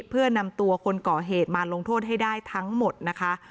เพื่อนำตัวคนก่อเหตุมาลงโทษให้ได้ทั้งหมดนะคะ